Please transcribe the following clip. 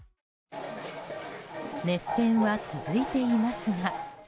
熱戦は続いてますが。